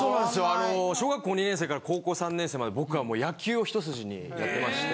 あの小学校２年生から高校３年生まで僕は。にやってまして。